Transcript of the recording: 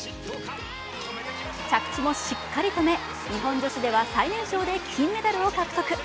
着地もしっかり止め、日本女子では最年少で金メダルを獲得。